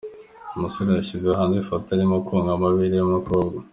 umusore yashyize hanze ifoto arimo konka amabere y’umukobwa .